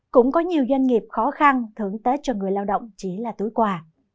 cũng có nhiều doanh nghiệp khó khăn thưởng tết cho người lao động chỉ là túi quà